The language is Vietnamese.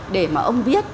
để mà ông viết